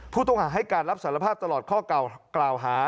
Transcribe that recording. ผู้ต้องหาให้การรับสารภาพตลอดข้อกล่าวหา